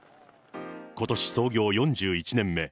ことし創業４１年目。